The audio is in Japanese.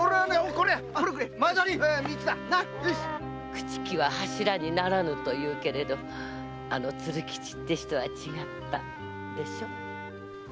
「朽ち木は柱にならぬ」と言うけどあの鶴吉は違ったでしょ？